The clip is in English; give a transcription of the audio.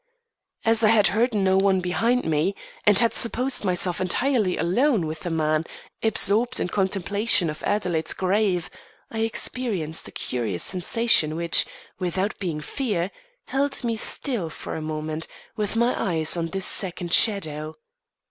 As I had heard no one behind me, and had supposed myself entirely alone with the man absorbed in contemplation of Adelaide's grave, I experienced a curious sensation which, without being fear, held me still for a moment, with my eyes on this second shadow.